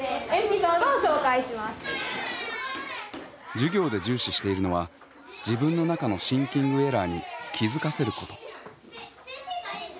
授業で重視しているのは自分の中のシンキングエラーに気付かせること。